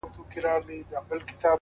چي نه سمه نه کږه لښته پیدا سي!!..